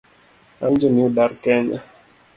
Awinjo ni udar kenya